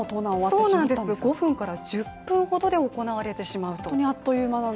そうなんですよ、５分から１０分ほどで行われてしまうと。